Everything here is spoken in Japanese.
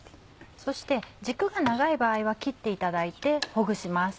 そして軸が長い場合は切っていただいてほぐします。